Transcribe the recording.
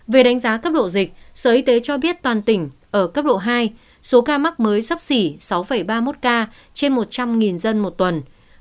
về đánh giá cấp độ dịch sở y tế cho biết toàn tỉnh ở cấp độ hai số ca mắc mới sắp xỉ sáu ba mươi một ca trên một trăm linh dân một tuần